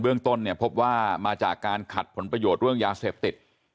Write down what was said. เรื่องต้นเนี่ยพบว่ามาจากการขัดผลประโยชน์เรื่องยาเสพติด